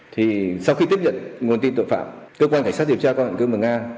thì sau khi tiếp nhận nguồn tin tội phạm cơ quan cảnh sát điều tra các hành vi cư mừng nga